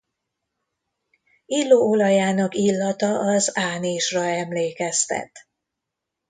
Illóolajának illata az ánizsra emlékeztet.